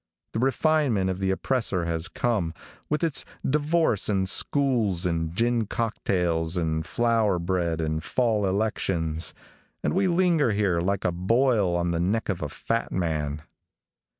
The refinement of the oppressor has come, with its divorce and schools and gin cocktails and flour bread and fall elections, and we linger here like a boil on the neck of a fat man.